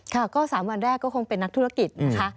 ค่ะก็๓วันแรกก็คงเป็นนักธุรกิจนะคะ